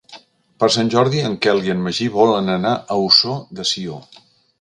Per Sant Jordi en Quel i en Magí volen anar a Ossó de Sió.